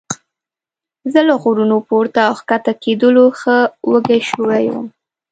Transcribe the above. زه له غرونو پورته او ښکته کېدلو ښه وږی شوی وم.